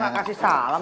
mak kasih salam